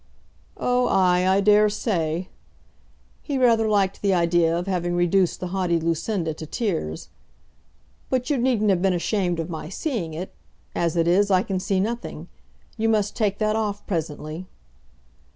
"Oh, ay; I dare say." He rather liked the idea of having reduced the haughty Lucinda to tears. "But you needn't have been ashamed of my seeing it. As it is, I can see nothing. You must take that off presently."